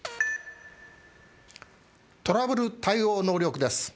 トラブル対応能力です。